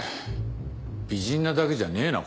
美人なだけじゃねえな